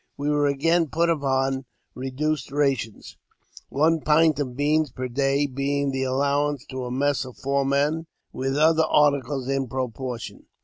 We were again put upon reduced rations, one pint of beans per day being the allowance to a mess of four men, with other articles in proportion.